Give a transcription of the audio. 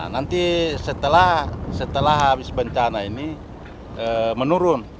nanti setelah habis bencana ini menurun